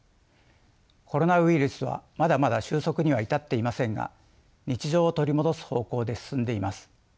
コロナウイルスはまだまだ収束には至っていませんが日常を取り戻す方向で進んでいます。